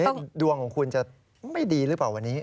เอ้ยดวงของคุณจะไม่ดีรึเปล่าวันนี้